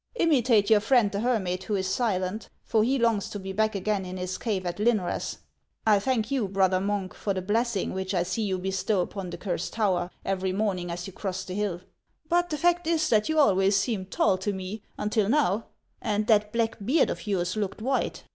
Imitate your friend the hermit, who is silent, for he longs to be back again in his cave at Lynrass. I thank you, brother monk, for the blessing which I see you bestow upon the Cursed Tower every morning as you cross the hill; but the fact is that you always seemed tall to me until now, and that black beard of yours looked white.